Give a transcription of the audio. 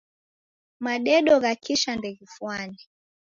Madedo gha kisha ndeghifwane.